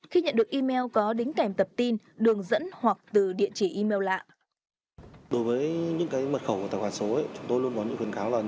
khi nhận được email có đính kèm tập tin đường dẫn hoặc từ địa chỉ email lạ